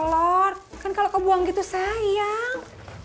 telur kan kalau kau buang gitu sayang